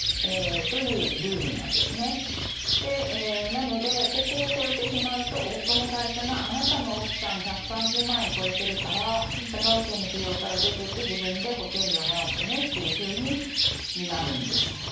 なのでここを超えてしまうと夫の会社があなたの奥さん１３０万円超えてるから社会保険の扶養から出てって自分で保険料を払ってねというふうになるんです。